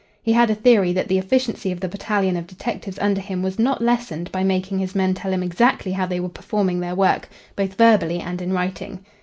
He had a theory that the efficiency of the battalion of detectives under him was not lessened by making his men tell him exactly how they were performing their work, both verbally and in writing.